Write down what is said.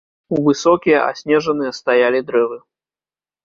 Высокія, аснежаныя стаялі дрэвы.